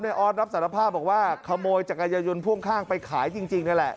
ออสรับสารภาพบอกว่าขโมยจักรยายนต์พ่วงข้างไปขายจริงนั่นแหละ